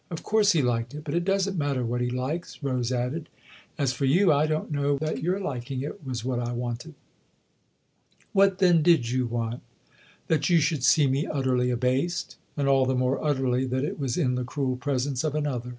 " Of course he liked it ! But it doesn't matter 2i8 THE OTHER HOUSE what he likes/' Rose added. "As for you I don't know that your ' liking ' it was what I wanted." " What then did you want ?"" That you should see me utterly abased and all the more utterly that it was in the cruel presence of another."